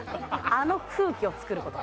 あの空気をつくること。